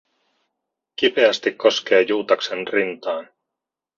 Kipeästi koskee Juutaksen rintaan.